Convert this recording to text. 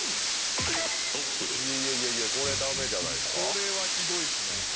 これはひどいですね。